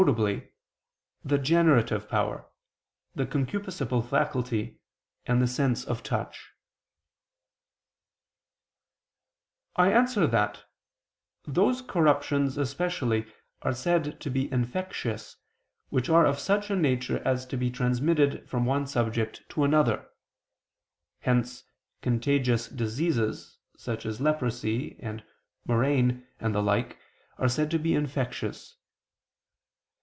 the generative power, the concupiscible faculty and the sense of touch. I answer that, Those corruptions especially are said to be infectious, which are of such a nature as to be transmitted from one subject to another: hence contagious diseases, such as leprosy and murrain and the like, are said to be infectious.